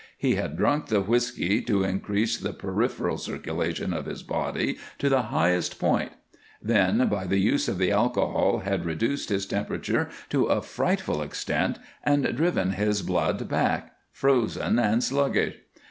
He had drunk the whisky to increase the peripheral circulation of his body to the highest point, then by the use of the alcohol had reduced his temperature to a frightful extent and driven his blood back, frozen and sluggish.